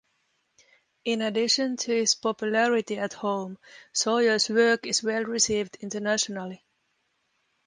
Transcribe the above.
In addition to his popularity at home, Sawyer's work is well received internationally.